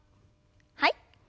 はい。